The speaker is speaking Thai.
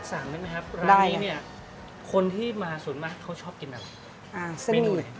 ร้านนี้เนี่ยคนที่มาส่วนมากเขาชอบกินอะไร